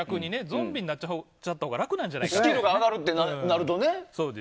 ゾンビになっちゃったほうがスキルが上がるとなるとね。